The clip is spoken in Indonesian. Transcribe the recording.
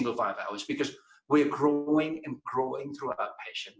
karena kami tumbuh dan tumbuh dengan pasien